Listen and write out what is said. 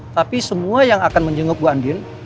tapi semua yang akan menjenguk bu andir